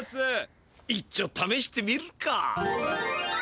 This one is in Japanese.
いっちょためしてみるか。